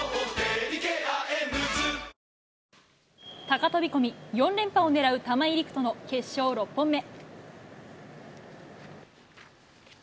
高飛び込み、４連覇を狙う玉井陸斗の決勝６本目。